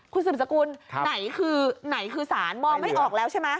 คุณศึกษกุลไหนคือศาลมองไม่ออกแล้วใช่ไหม